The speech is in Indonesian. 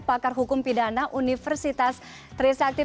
pakar hukum pidana universitas trisakti